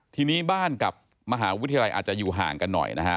ทีนี้บ้านกับมหาวิทยาลัยอาจจะอยู่ห่างกันหน่อยนะฮะ